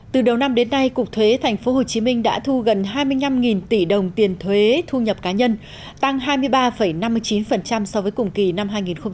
từ đầu năm đến nay cục thuế tp hcm đã thu gần hai mươi năm tỷ đồng tiền thuế thu nhập cá nhân tăng hai mươi ba năm mươi chín so với cùng kỳ năm hai nghìn một mươi chín